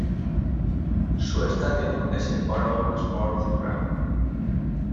Su Estadio es el Borough Sports Ground.